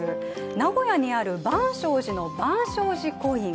名古屋にある万松寺のバンショウジコイン。